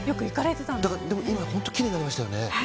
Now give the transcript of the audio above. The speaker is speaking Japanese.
でも今、本当きれいになりましたよね。